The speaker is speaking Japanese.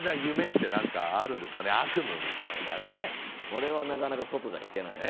これはなかなか外じゃ聞けないな。